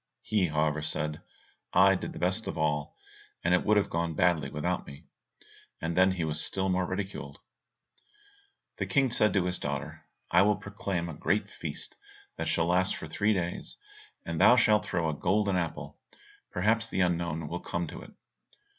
He, however, said, "I did the best of all, and it would have gone badly without me." And then he was still more ridiculed." The King said to his daughter, "I will proclaim a great feast that shall last for three days, and thou shalt throw a golden apple. Perhaps the unknown will come to it."